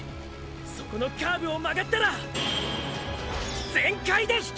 そこのカーブを曲がったら全開で引け！！